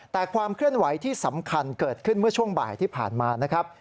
แต่ความเคลื่อนไหวที่สำคัญเกิดขึ้นเมื่อช่วงบ่ายที่ผ่านมานะครับ